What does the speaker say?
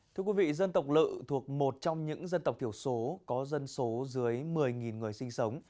thưa quý vị dân tộc lự thuộc một trong những dân tộc thiểu số có dân số dưới một mươi người sinh sống